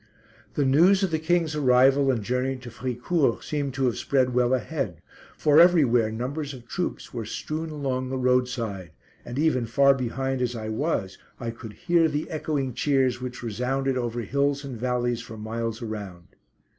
The news of the King's arrival and journey to Fricourt seemed to have spread well ahead, for everywhere numbers of troops were strewn along the roadside, and even far behind as I was, I could hear the echoing cheers which resounded over hills and valleys for miles around.